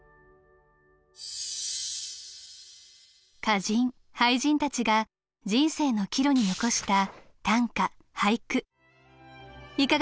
歌人・俳人たちが人生の岐路に残した短歌・俳句いかがでしたか？